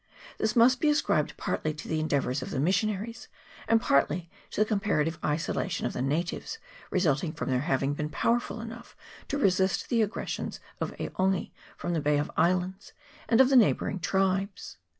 This must be ascribed partly to the endeavours of the missionaries and partly to the comparative isola tion of the natives, resulting from their having been powerful enough to resist the aggressions of E'Ongi from the Bay of Islands, and of the neighbouring tribes.